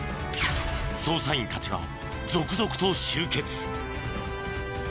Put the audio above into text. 捜査員たちが続々と集結。